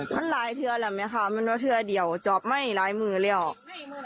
มันร้ายเทือนแหละไหมค่ะมันว่าเทือนเดียวจอบไม่ร้ายมือเลยอ่ะ